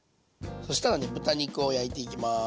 そしたらね豚肉を焼いていきます。